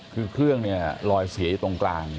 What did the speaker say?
คือเครื่องเนี่ยลอยเสียอยู่ตรงกลาง